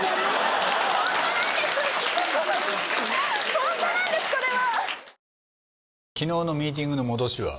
ホントなんですこれは！